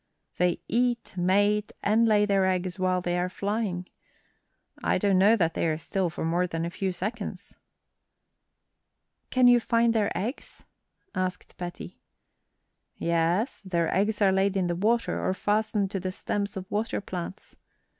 They eat, mate, and lay their eggs while they are flying. I don't know that they are still for more than a few seconds." "Can you find their eggs?" asked Betty. "Yes; their eggs are laid in the water or fastened to the stems of water plants.